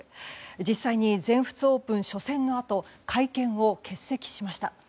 実際に全仏オープン初戦のあと会見を欠席しました。